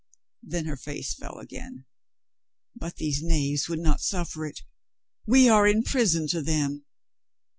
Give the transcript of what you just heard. Then her face fell again. "But these knaves would not suffer it. We are in prison to them."